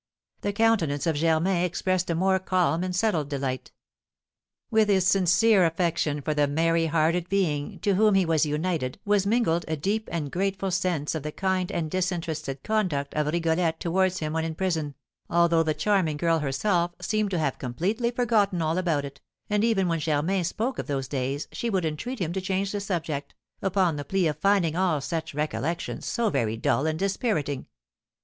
The countenance of Germain expressed a more calm and settled delight. With his sincere affection for the merry hearted being to whom he was united was mingled a deep and grateful sense of the kind and disinterested conduct of Rigolette towards him when in prison, although the charming girl herself seemed to have completely forgotten all about it, and even when Germain spoke of those days she would entreat him to change the subject, upon the plea of finding all such recollections so very dull and dispiriting.